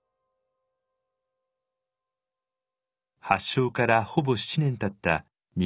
発症からほぼ７年たった